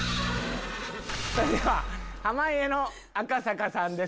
それでは濱家の赤坂さんです。